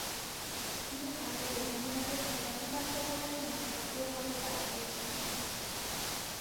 তিনি ভারতে মহিলাদের ভোটাধিকার প্রদানের জন্য সক্রিয়ভাবে কাজ করেছিলেন।